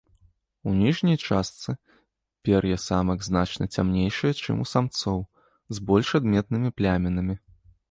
У ніжняй частцы пер'е самак значна цямнейшае чым у самцоў, з больш адметнымі плямінамі.